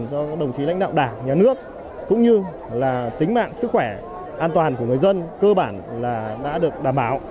cho đồng chí lãnh đạo đảng nhà nước cũng như là tính mạng sức khỏe an toàn của người dân cơ bản là đã được đảm bảo